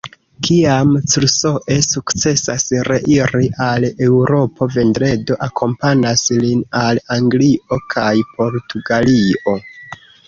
Kiam Crusoe sukcesas reiri al Eŭropo, Vendredo akompanas lin al Anglio kaj Portugalio.